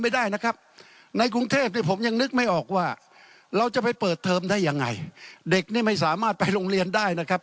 เด็กนี้ไม่สามารถไปโรงเรียนได้นะครับ